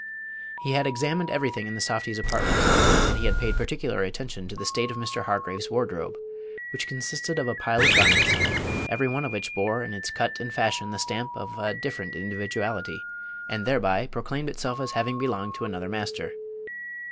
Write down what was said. He had examined everything in the softy's apartment, and he had paid particular attention to the state of Mr. Hargraves' wardrobe, which consisted of a pile of garments, every one of which bore in its cut and fashion the stamp of a different individuality, and thereby proclaimed itself as having belonged to another master.